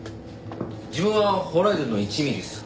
自分はホライズンの１ミリです。